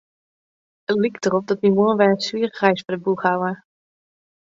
It liket derop dat wy moarn wer in swiere reis foar de boech hawwe.